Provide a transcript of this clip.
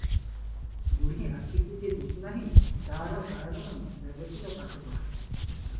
ବୁଢ଼ୀ ଆଖିକୁ ଯେ ଦିଶୁ ନାହିଁ ତାହାର କାରଣ ରେବତୀର ପାଠପଢ଼ା।